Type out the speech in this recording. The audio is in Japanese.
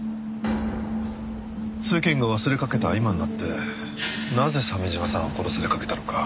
世間が忘れかけた今になってなぜ鮫島さんは殺されかけたのか。